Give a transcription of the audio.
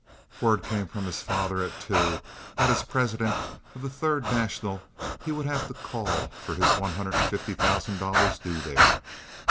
Word came from his father at two that as president of the Third National he would have to call for his one hundred and fifty thousand dollars due there.